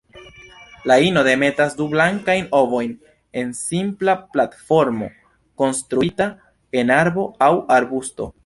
La ino demetas du blankajn ovojn en simpla platformo konstruita en arbo aŭ arbusto.